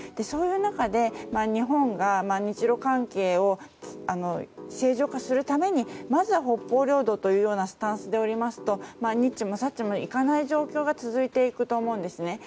そんな中で日本が日露関係を正常化するためにまずは北方領土というスタンスでおりますとにっちもさっちもいかない状況が続いていくと思うんですね。